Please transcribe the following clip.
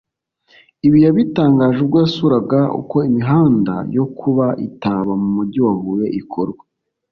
Ibi yabitangaje ubwo yasuraga uko imihanda yo ku i Taba mu mujyi wa Huye ikorwa